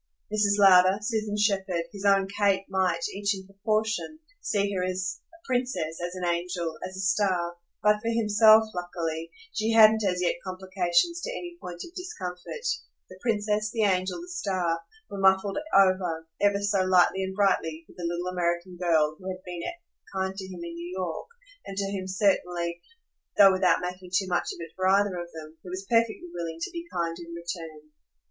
Mrs. Lowder, Susan Shepherd, his own Kate, might, each in proportion, see her as a princess, as an angel, as a star, but for himself, luckily, she hadn't as yet complications to any point of discomfort: the princess, the angel, the star, were muffled over, ever so lightly and brightly, with the little American girl who had been kind to him in New York and to whom certainly though without making too much of it for either of them he was perfectly willing to be kind in return.